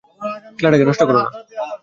খেলাটাকে নষ্ট কর না।